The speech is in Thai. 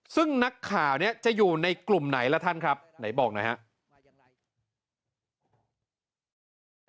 ซึ่งนักข่าวเนี่ยจะอยู่ในกลุ่มไหนล่ะท่านครับไหนบอกหน่อยครับ